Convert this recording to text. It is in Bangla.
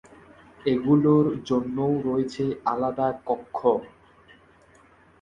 এগুলোর জন্যও রয়েছে আলাদা কক্ষ।